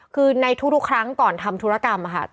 คือในทุกครั้งก่อนทำธุรกรรมค่ะ